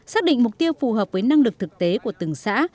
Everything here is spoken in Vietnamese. xác định mục tiêu phù hợp với năng lực thực tế của từng xã